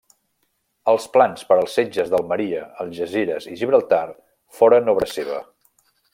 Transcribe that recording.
Els plans per als setges d'Almeria, Algesires i Gibraltar foren obra seva.